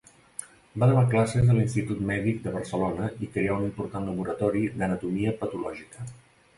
Va donar classes a l'Institut Mèdic de Barcelona i creà un important laboratori d'anatomia patològica.